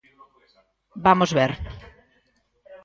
Vamos ver.